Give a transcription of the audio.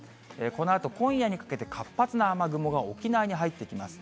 このあと今夜にかけて、活発な雨雲が沖縄に入ってきます。